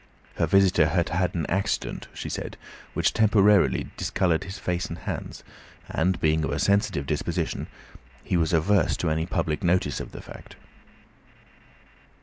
Her visitor had had an accident, she said, which temporarily discoloured his face and hands, and being of a sensitive disposition, he was averse to any public notice of the fact.